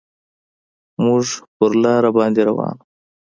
موږ پر لاره باندې روان وو.